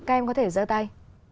các em có thể dơ tay